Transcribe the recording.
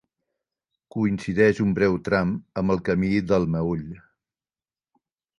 Coincideix un breu tram amb el Camí del Meüll.